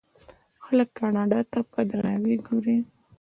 خلک کاناډا ته په درناوي ګوري.